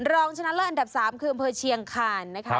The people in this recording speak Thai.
รองชนะเลิศอันดับ๓คืออำเภอเชียงคานนะคะ